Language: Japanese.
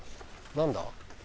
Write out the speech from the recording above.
何だ？